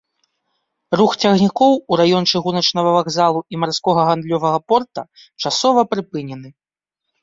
Рух цягнікоў у раён чыгуначнага вакзалу і марскога гандлёвага порта часова прыпынена.